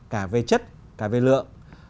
cả về chất cả về lượng